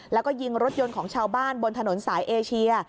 แล้วก็ยิงรถยนต์ของชาวบ้านบนถนนสายเอเชีย